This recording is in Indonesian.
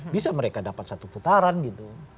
bisa mereka dapat satu putaran gitu